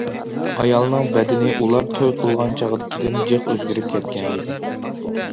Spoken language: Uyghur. ئايالنىڭ بەدىنى ئۇلار توي قىلغان چاغدىكىدىن جىق ئۆزگىرىپ كەتكەن ئىدى.